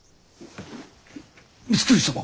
光圀様！